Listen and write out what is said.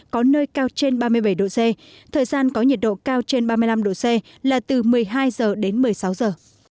có nơi cao trên ba mươi bảy độ c thời gian có nhiệt độ cao trên ba mươi năm độ c là từ một mươi hai giờ đến một mươi sáu giờ